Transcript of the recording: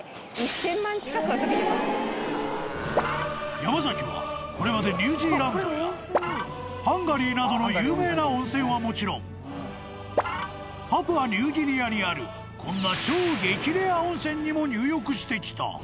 ［山崎はこれまでニュージーランドやハンガリーなどの有名な温泉はもちろんパプアニューギニアにあるこんな］